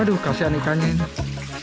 aduh kasihan ikannya ini